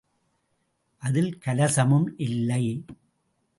அதில் கலசமும் இல்லை.